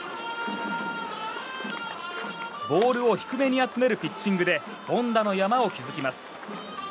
ボールを低めに集めるピッチングで凡打の山を築きます。